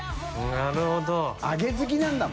なるほど。